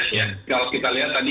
kalau kita lihat tadi